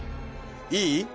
いい？